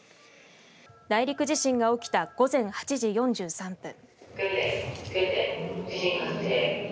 内陸地震が起きた午前８時４３分。